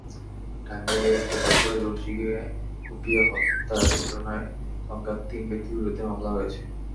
টাঙ্গাইলের গোপালপুরে দরজিকে কুপিয়ে হত্যার ঘটনায় অজ্ঞাত তিন ব্যক্তির বিরুদ্ধে মামলা হয়েছে।